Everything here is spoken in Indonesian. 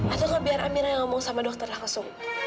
atau biar amira yang ngomong sama dokter langsung